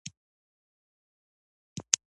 کچالو د معدې سوخت کموي.